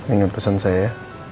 ingat pesan saya ya